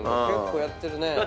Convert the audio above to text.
結構やってるね。